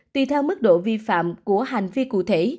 tùy theo mức độ vi phạm của hành vi cụ thể